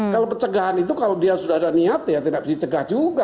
kalau pencegahan itu kalau dia sudah ada niat ya tidak bisa dicegah juga